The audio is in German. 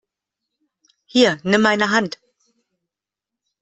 Hier, nimm meine Hand!